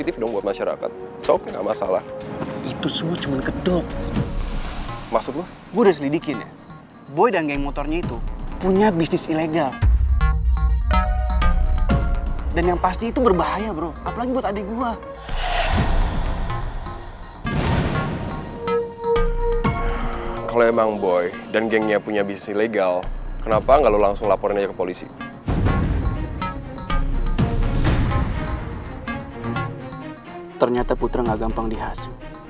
tapi kalau non reva masih pengen istirahat